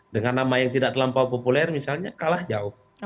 dengan nama yang tidak terlampau populer misalnya kalah jauh